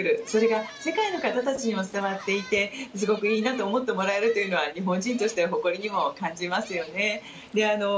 それが世界の方たちにも伝わっていてすごくいいと思ってもらえるのは日本人としては誇りにも感じますよね。